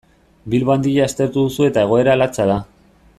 Bilbo Handia aztertu duzu eta egoera latza da.